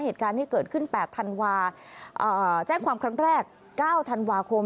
เหตุการณ์ที่เกิดขึ้น๘ธันวาแจ้งความครั้งแรก๙ธันวาคม